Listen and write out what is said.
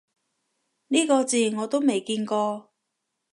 呢個字我都未見過